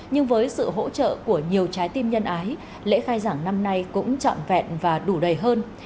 nhưng với sự hỗ trợ của nhiều trái tim nhân ái lễ khai giảng năm nay cũng trọn vẹn và đủ đầy hơn